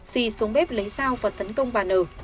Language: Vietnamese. si xuống bếp lấy dao và tấn công bà n